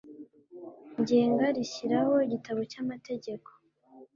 ngenga rishyiraho igitabo cy amategeko